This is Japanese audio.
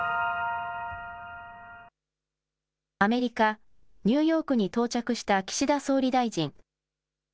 アメリカ・ニューヨークに到着した岸田総理大臣。